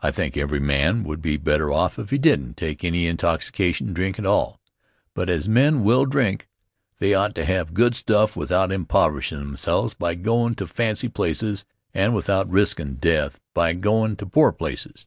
I think every man would be better off if he didn't take any intoxicatin' drink at all, but as men will drink, they ought to have good stuff without impoverishin' themselves by goin' to fancy places and without riskin' death by goin' to poor places.